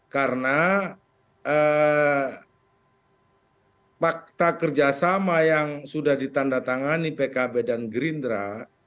karena fakta kerjasama yang sudah ditanda tangani pkb dan gerindra